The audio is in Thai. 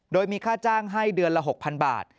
โดยมีค่าจ้างให้เดือนละ๖๐๐๐บาท